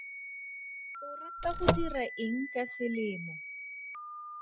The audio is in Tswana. O rata go dira eng ka selemo?